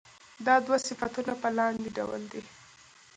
دا دوه صفتونه په لاندې ډول دي.